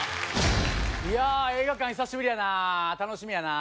いや映画館久しぶりやな楽しみやな